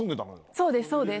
そうですそうです。